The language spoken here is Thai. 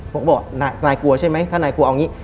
ผมก็บอกนายกลัวใช่ไหมถ้านายกลัวเอาอย่างนี้